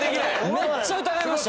めっちゃ疑いました。